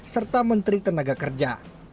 serta menteri tenaga kerja